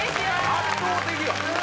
圧倒的よ。